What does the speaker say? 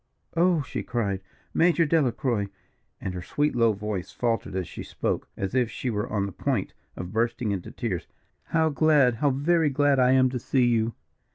"Oh!" she cried, "Major Delacroix!" and her sweet low voice faltered as she spoke, as if she were on the point of bursting into tears, "how glad, how very glad I am to see you."